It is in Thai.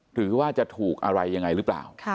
หรือว่าจะถูกอะไรยังไงหรือเปล่า